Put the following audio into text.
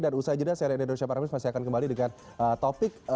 dan usai jeda crn indonesia prime news masih akan kembali dengan topik